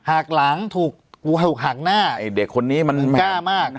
หากหลังถูกงูหกหักหน้าไอ้เด็กคนนี้มันกล้ามาก